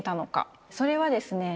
それはですね